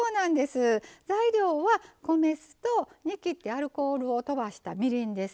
材料は米酢と煮きってアルコールをとばしたみりんです。